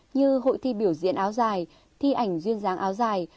như hội thi biểu diễn áo dài thi ảnh duyên dáng áo dài